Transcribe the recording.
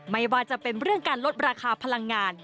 ไม่ว่าจะเป็นเรื่องการลดราคาพลังงาน